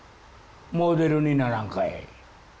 「モデルにならんかい」。